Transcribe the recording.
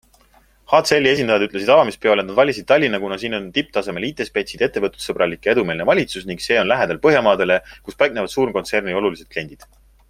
HCLi esindajad ütlesid avamispeol, et nad valisid Tallinna, kuna siin on tipptasemel IT-spetsid, ettevõtlussõbralik ja edumeelne valitsus ning see on lähedal Põhjamaadele, kus paiknevad suurkontserni olulised kliendid.